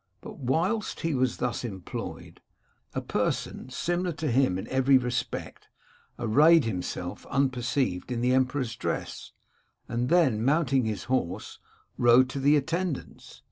But whilst he was thus employed a person similar to him in every respect arrayed himself un perceived in the emperor's dress, and then mounting his horse, rode to the attendants.